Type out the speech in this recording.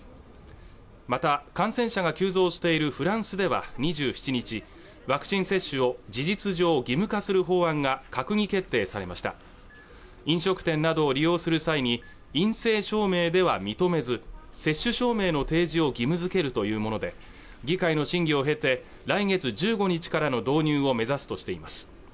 また感染者が急増しているフランスでは２７日ワクチン接種を事実上義務化する法案が閣議決定されました飲食店などを利用する際に陰性証明では認めず接種証明の提示を義務付けるというもので議会の審議を経て来月１５日からの導入を目指すとしています